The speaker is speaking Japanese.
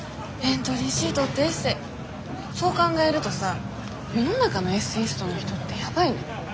そう考えるとさ世の中のエッセイストの人ってやばいね。